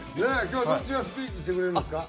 今日はどっちがスピーチしてくれるんですか？